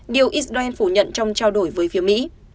điều israel phủ nhận trong trao đổi với phía mỹ